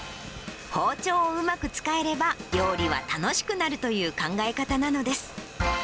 包丁をうまく使えれば、料理は楽しくなるという考え方なのです。